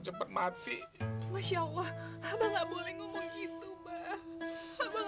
jangan nyumpain allah tuhan